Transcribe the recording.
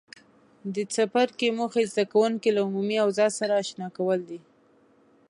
د څپرکي موخې زده کوونکي له عمومي اوضاع سره آشنا کول دي.